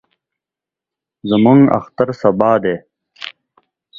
زموږ اختر سبا دئ.